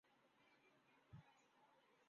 آئی backs کوہ Alps کا بکرا